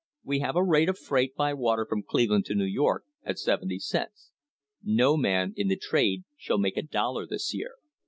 We have a rate of freight by water from Cleveland to New York at seventy cents. No man in the trade shall make a dollar this year.